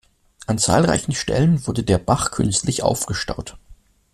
An zahlreichen Stellen wurde der Bach künstlich aufgestaut.